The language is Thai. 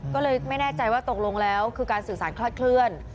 ก็เลยไม่แน่ใจว่าตกลงแล้วคือการสื่อสารคลาดเคลื่อน